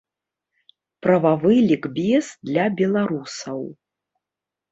Прававы лікбез для беларусаў.